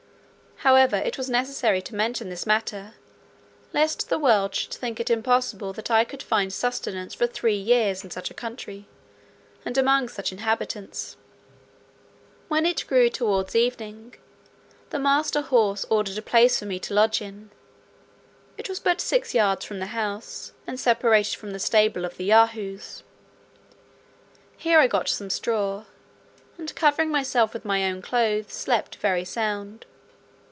However, it was necessary to mention this matter, lest the world should think it impossible that I could find sustenance for three years in such a country, and among such inhabitants. When it grew towards evening, the master horse ordered a place for me to lodge in; it was but six yards from the house and separated from the stable of the Yahoos. Here I got some straw, and covering myself with my own clothes, slept very sound.